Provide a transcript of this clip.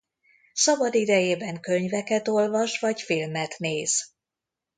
Szabadidejében könyveket olvas vagy filmet néz.